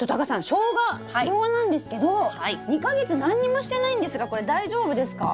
ショウガなんですけど２か月何にもしてないんですがこれ大丈夫ですか？